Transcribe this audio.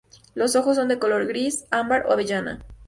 Los ojos son de color gris, ámbar o avellana.